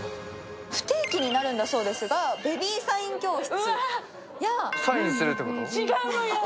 不定期になるんだそうですが、ベビーサイン教室。